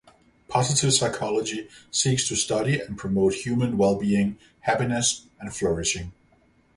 Positive psychology seeks to study and promote human well-being, happiness, and flourishing.